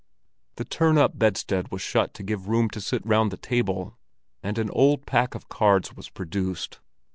The turn up bedstead was shut to give room to sit round the table, and an old pack of cards was produced.